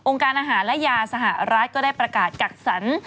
การอาหารและยาสหรัฐก็ได้ประกาศกักสรร